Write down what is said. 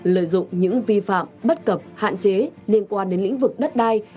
lợi dụng những vi phạm bất cập hạn chế liên quan đến lĩnh vực đất đai